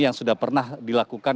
yang sudah pernah dilakukan